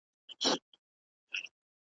ککرۍ دي چي له تن څخه بېلیږي ,